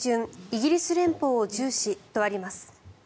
イギリス連邦を重視とあります。